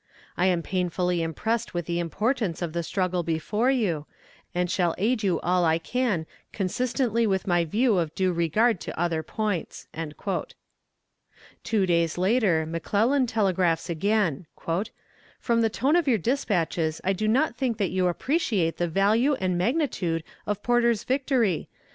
I am painfully impressed with the importance of the struggle before you, and shall aid you all I can consistently with my view of due regard to other points." Two days later McClellan telegraphs again: "From the tone of your despatches I do not think that you appreciate the value and magnitude of Porter's victory.